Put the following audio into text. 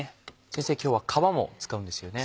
先生今日は皮も使うんですよね？